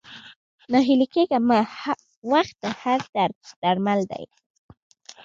ناهيلی کيږه مه ، وخت د هر درد درمل لري